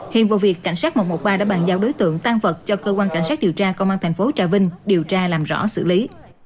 hiện vụ việc cảnh sát một trăm một mươi ba đã bàn giao đối tượng tan vật cho cơ quan cảnh sát điều tra công an thành phố trà vinh điều tra làm rõ xử lý